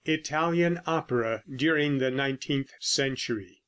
ITALIAN OPERA DURING THE NINETEENTH CENTURY.